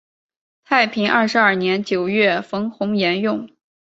太平二十二年九月冯弘沿用。